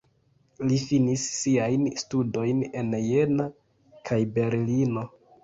Li finis siajn studojn en Jena kaj Berlino.